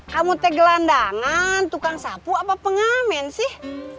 kamu terserah gelandangan tukang sapu apa pengamen sih